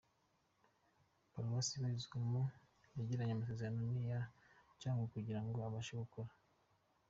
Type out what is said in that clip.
Paruwasi abarizwamo yagiranye amasezerano n’iya Cyangugu kugirango abashe gukora.